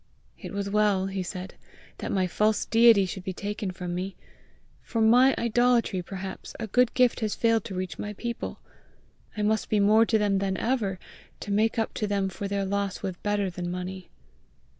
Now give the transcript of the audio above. "It was well," he said, "that my false deity should be taken from me! For my idolatry perhaps, a good gift has failed to reach my people! I must be more to them than ever, to make up to them for their loss with better than money!"